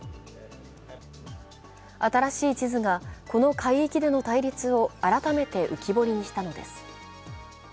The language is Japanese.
新しい地図がこの海域での対立を改めて浮き彫りにしたのです。